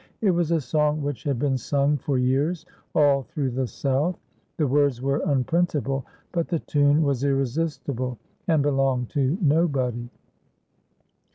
It was a song which had been sung for years all through the South. The words were unprintable, but the tune was irresistible, and belonged to nobody.